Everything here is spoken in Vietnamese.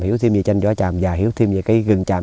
hiểu thêm về tranh vỏ tràm và hiểu thêm về rừng tràm